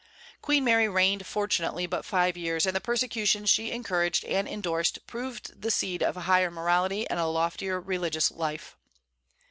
Queen Mary reigned, fortunately, but five years, and the persecutions she encouraged and indorsed proved the seed of a higher morality and a loftier religious life.